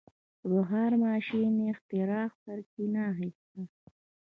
د بخار ماشین اختراع سرچینه اخیسته.